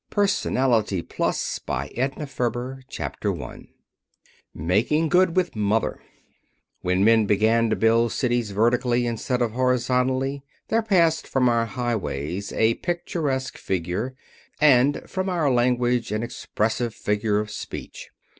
'" PERSONALITY PLUS I MAKING GOOD WITH MOTHER When men began to build cities vertically instead of horizontally there passed from our highways a picturesque figure, and from our language an expressive figure of speech.